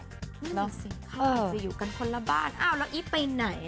ไม่เห็นสิค่ะอยู่กันคนละบ้านเอ้าแล้วอิ๊บไปไหน